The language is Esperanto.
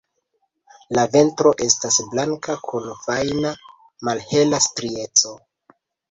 La ventro estas blanka kun fajna malhela strieco.